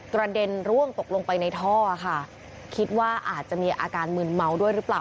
กระเด็นร่วงตกลงไปในท่อค่ะคิดว่าอาจจะมีอาการมืนเมาด้วยหรือเปล่า